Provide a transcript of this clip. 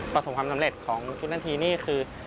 ประสงค์ความสำเร็จของชุดนัดทีนี้คือ